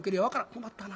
「困ったな。